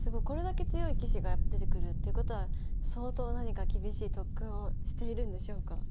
これだけ強い棋士が出てくるっていうことは相当何か厳しい特訓をしているんでしょうか？